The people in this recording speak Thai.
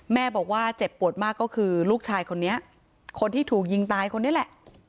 แม่บอกว่าเจ็บปวดมากก็คือลูกชายคนนี้คนที่ถูกยิงตายคนนี้แหละ